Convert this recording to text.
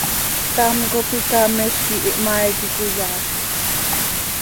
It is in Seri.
Ctam cop icaamiz quih ihmaa iiqui cöiyaazj.